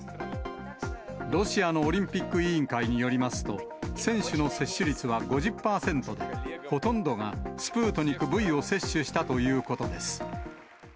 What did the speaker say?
ロシアのオリンピック委員会によりますと、選手の接種率は５０％で、ほとんどがスプートニクＶを接種したということです。